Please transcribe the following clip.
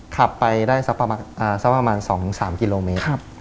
ขับไปได้สักประมาณ๒๓กิโลเมตร